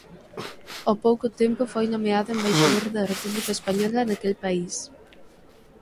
Ó pouco tempo foi nomeado embaixador da República Española naquel país.